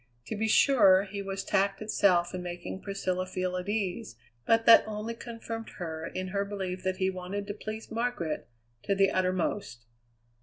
To be sure he was tact itself in making Priscilla feel at ease; but that only confirmed her in her belief that he wanted to please Margaret to the uttermost.